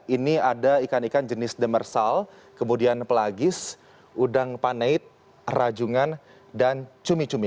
ini ada ikan ikan jenis demersal kemudian pelagis udang paneit rajungan dan cumi cumi